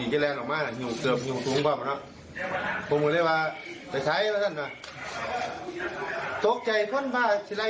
คุณกระทากลากไปพบปั้มคุมเขือนนี่แห้งกว่านั้นครับ